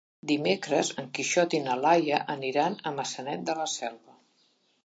Dimecres en Quixot i na Laia aniran a Maçanet de la Selva.